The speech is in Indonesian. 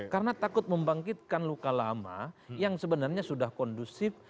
karena takut membangkitkan luka lama yang sebenarnya sudah kondusif